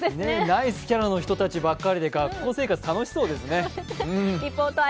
ナイスキャラの人たちばっかりで学校生活、楽しそうですね。